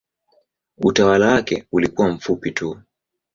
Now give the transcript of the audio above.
Utawala wake ulikuwa mfupi tu.